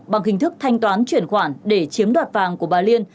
bằng hình thức thanh toán chuyển khoản để chiếm đoạt vàng của bà liên